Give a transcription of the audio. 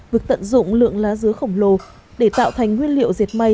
việc tận dụng lượng lá dứa khổng lồ để tạo thành nguyên liệu diệt may